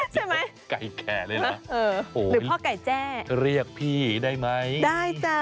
ไก่แก่เลยนะหรือพ่อไก่แจ้เรียกพี่ได้ไหมได้จ้ะ